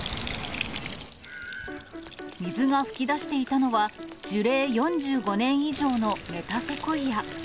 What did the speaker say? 水が噴き出していたのは、樹齢４５年以上のメタセコイア。